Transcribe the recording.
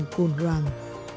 đồn phòng cồn hoàng